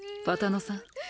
ぱたのさん